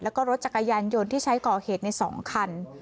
แล้วก็รถจักรยานยนต์ที่ใช้ก่อเหตุใน๒คัน